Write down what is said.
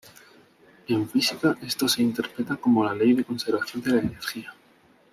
En física esto se interpreta como la ley de conservación de la energía.